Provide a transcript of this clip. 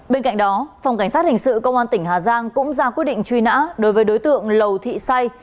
bên cạnh đó phòng cảnh sát hình sự công an tỉnh hà giang cũng ra quyết định truy nã đối với đối tượng lầu thị say